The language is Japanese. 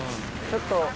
ちょっと。